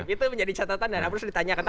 itu menjadi catatan dan harus ditanyakan